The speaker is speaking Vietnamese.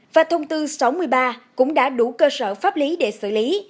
và thông tư sáu mươi ba cũng đã đủ cơ sở pháp lý để xử lý